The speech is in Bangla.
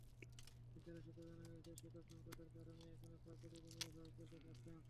বিদ্যালয় সূত্রে জানা গেছে, শিক্ষকসংকটের কারণে এখানে প্রায় প্রতিদিনই এভাবে চলে পাঠদান।